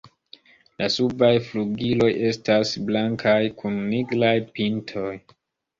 La subaj flugiloj estas blankaj kun nigraj pintoj.